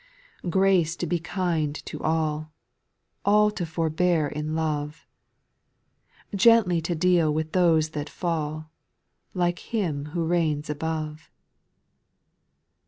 ) 6. / Grace to be kind to all ; All to forbear in love ; Gently to deal with those that fall, Like Him who reigns above.